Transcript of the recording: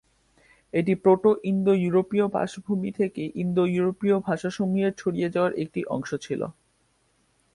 এটি প্রোটো-ইন্দো-ইউরোপীয় বাসভূমি থেকে ইন্দো-ইউরোপীয় ভাষাসমূহের ছড়িয়ে যাবার একটি অংশ ছিল।